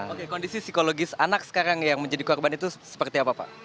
oke kondisi psikologis anak sekarang yang menjadi korban itu seperti apa pak